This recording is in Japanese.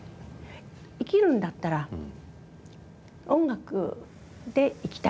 生きるんだったら音楽で生きたい。